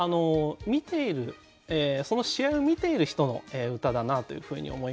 見ているその試合を見ている人の歌だなというふうに思いました。